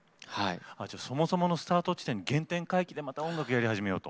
じゃそもそものスタート地点原点回帰でまた音楽やり始めようと。